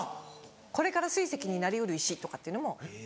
これから水石になり得る石とかっていうのも。